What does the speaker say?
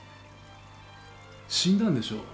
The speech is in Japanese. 死んだんでしょう？